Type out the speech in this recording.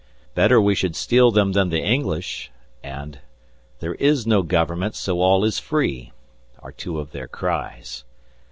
"Better we should steal them than the English," and "There is no Government, so all is free," are two of their cries.